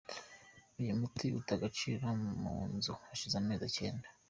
Uyu muti uta agaciro mu nzu hashize amezi icyenda.